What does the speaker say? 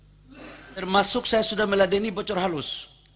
pemberitaan termasuk saya sudah meladani bocor halus